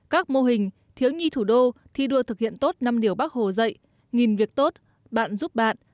các mô hình thiếu nhi thủ đô thi đua thực hiện tốt năm điều bác hồ dạy nghìn việc tốt bạn giúp bạn